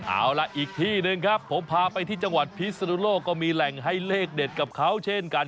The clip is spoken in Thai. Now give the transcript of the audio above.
เอาล่ะอีกที่หนึ่งครับผมพาไปที่จังหวัดพิศนุโลกก็มีแหล่งให้เลขเด็ดกับเขาเช่นกัน